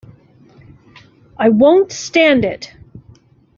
I won't stand it!